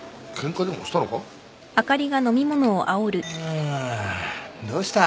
あどうした。